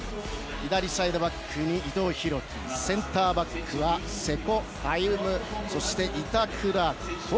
左サイドバックに伊藤洋輝センターバックは瀬古歩夢そして板倉滉。